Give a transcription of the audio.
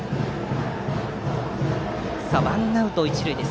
ワンアウト、一塁です。